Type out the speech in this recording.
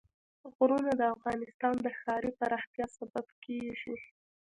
غرونه د افغانستان د ښاري پراختیا سبب کېږي.